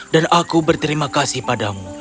dan aku berterima kasih padamu